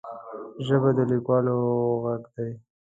ژبه د لیکوالو غږ دی